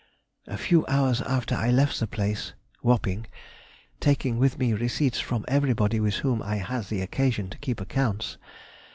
A few hours after I left the place [Wapping], taking with me receipts from everybody with whom I had had occasion to keep accounts.